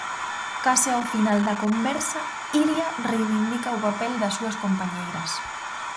Case ao final da conversa, Iria reivindica o papel das súas compañeiras.